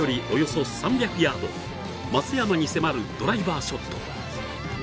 およそ３００ヤード松山に迫るドライバーショット。